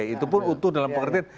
itu pun utuh dalam pengertian